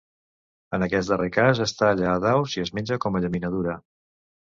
En aquest darrer cas es talla a daus i es menja com a llaminadura.